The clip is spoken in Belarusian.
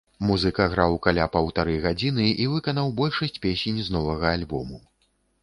Музыка граў каля паўтары гадзіны і выканаў большасць песень з новага альбому.